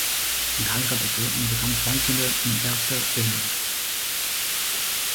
Sie heiratete und bekam zwei Kinder in erster Ehe.